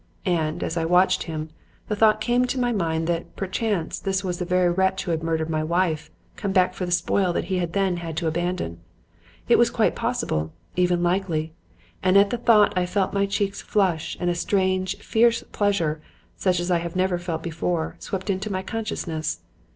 And, as I watched him, the thought came into my mind that, perchance, this was the very wretch who had murdered my wife, come back for the spoil that he had then had to abandon. It was quite possible, even likely, and at the thought I felt my cheeks flush and a strange, fierce pleasure, such as I had never felt before, swept into my consciousness.